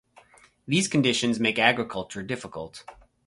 These conditions make agriculture difficult.